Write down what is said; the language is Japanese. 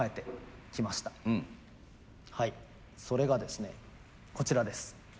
それがですねこちらです。